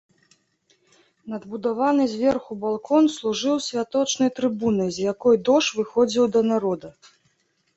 Надбудаваны зверху балкон служыў святочнай трыбунай, з якой дож выходзіў да народа.